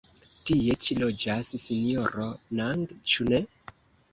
Tie ĉi loĝas Sinjoro Nang, ĉu ne?